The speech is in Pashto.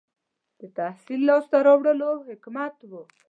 • د تحصیل لاسته راوړل حکمت و.